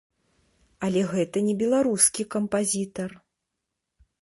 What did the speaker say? Але гэта не беларускі кампазітар.